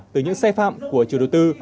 từ những sai phạm của chủ đối tư